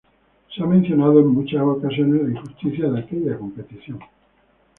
Se ha mencionado en muchas ocasiones la injusticia de aquella competición.